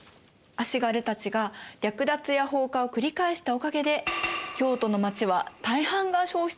足軽たちが略奪や放火を繰り返したおかげで京都の町は大半が焼失してしまいました。